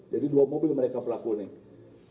jadi dua mobil mereka pelaku nih